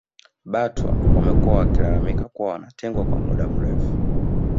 Batwa wamekuwa wakilalamika kuwa wametengwa kwa muda mrefu